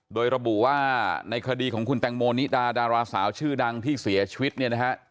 โดยระบุว่าในคดีของคุณแตงโมนิดาดาราสาวชื่อดังที่เสียชีวิตเนี่ยนะฮะ